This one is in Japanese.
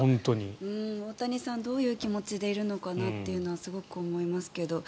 大谷さんどういう気持ちでいるのかなというのはすごい思いますが。